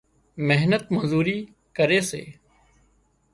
محنت مزوري ڪري سي